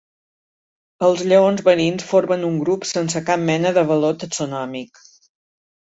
Els lleons marins formen un grup sense cap mena de valor taxonòmic.